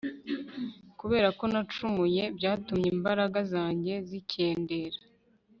kubera ko nacumuye byatumye imbaraga zanjye zikendera